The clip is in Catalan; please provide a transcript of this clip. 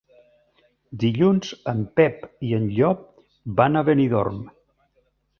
Dilluns en Pep i en Llop van a Benidorm.